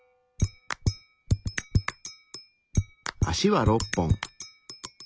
足は６本。